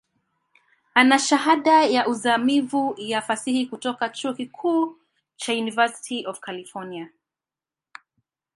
Ana Shahada ya uzamivu ya Fasihi kutoka chuo kikuu cha University of California.